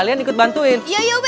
agaknya lima repus tuh